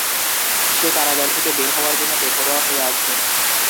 সে কারাগার থেকে বের হওয়ার জন্য বেপরোয়া হয়ে আছে।